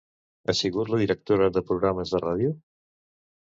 Ha sigut la directora de programes de ràdio?